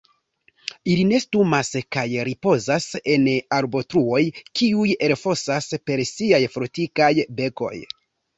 Ili nestumas kaj ripozas en arbotruoj kiuj elfosas per siaj fortikaj bekoj.